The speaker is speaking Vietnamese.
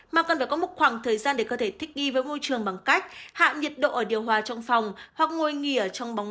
mà cần phải có một khoảng thời gian để có thể thích nghi với môi trường bằng cách hạ nhiệt độ ở điều hòa trong phòng